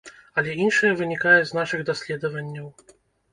Але іншае вынікае з нашых даследаванняў.